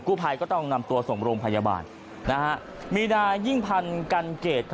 ภัยก็ต้องนำตัวส่งโรงพยาบาลมีนายยิ่งพันธ์กันเกต